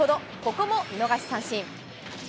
ここも見逃し三振。